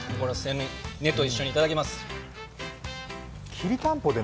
根と一緒にいただきます。